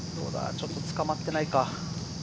ちょっとつかまっていないか？